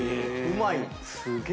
うまい。